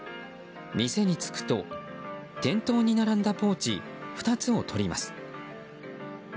店に着くと店頭に並んだポーチ２つをとります。